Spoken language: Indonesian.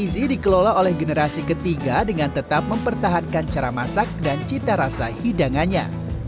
gizi dikelola oleh generasi ketiga dengan tetap mempertahankan cara masak dan cita rasa hidangannya